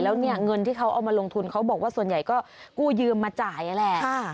แล้วเนี่ยเงินที่เขาเอามาลงทุนเขาบอกว่าส่วนใหญ่ก็กู้ยืมมาจ่ายนั่นแหละ